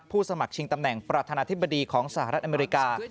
สมัครชิงตำแหน่งประธานาธิบดีของสหรัฐอเมริกา